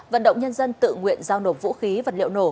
vận động nhân dân tự nguyện giao nộp vũ khí vật liệu nổ